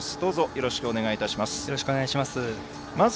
よろしくお願いします。